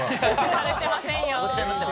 されてませんよ。